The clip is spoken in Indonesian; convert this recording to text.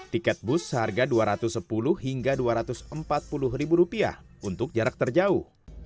tiket bus seharga rp dua ratus sepuluh hingga rp dua ratus empat puluh untuk jarak terjauh